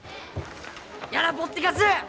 やなぽってかす！